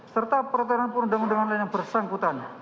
serta peraturan perundang undangan lain yang bersangkutan